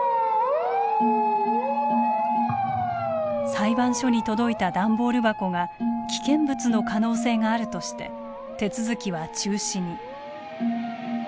裁判所に届いた段ボール箱が危険物の可能性があるとして手続きは中止に。